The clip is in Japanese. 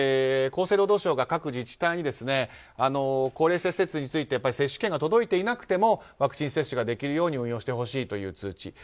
厚生労働省が各自治体に高齢者施設について接種券が届いていなくてもワクチン接種ができるように運用してほしいという通知。